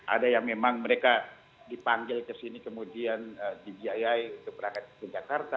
ada yang memang mereka dipanggil ke sini kemudian di gii keberangkatan di jakarta